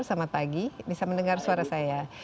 selamat pagi bisa mendengar suara saya